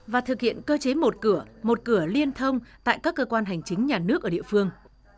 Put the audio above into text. và thực hiện cơ chế một cửa một cửa liên thông tại các cơ quan hành chính nhà nước ở địa phương